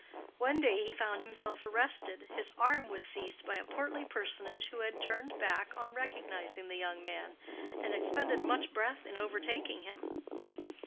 One day he found himself arrested; his arm was seized by a portly personage, who had turned back on recognizing the young man and expended much breath in overtaking him.